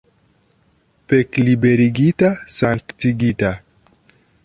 Pekliberigita, sanktigita!